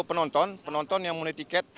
penonton penonton yang menulis tiket